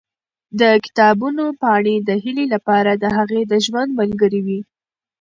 د کتابونو پاڼې د هیلې لپاره د هغې د ژوند ملګرې وې.